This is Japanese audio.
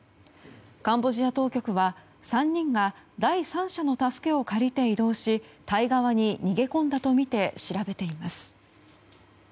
カンボジア当局は３人が第三者の助けを借りて移動しタイ側に逃げ込んだとみて調べています。